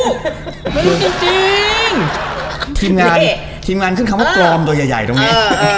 ไม่รู้จริงจริงทีมงานทีมงานขึ้นคำว่าตรอมตัวใหญ่ใหญ่ตรงนี้เออ